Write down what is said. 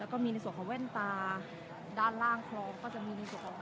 มีผู้ที่ได้รับบาดเจ็บและถูกนำตัวส่งโรงพยาบาลเป็นผู้หญิงวัยกลางคน